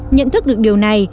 nhận thức được điều này